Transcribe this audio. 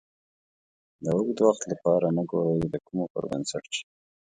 د اوږد وخت لپاره نه ګورئ د کومو پر بنسټ چې